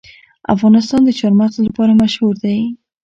افغانستان د چار مغز لپاره مشهور دی.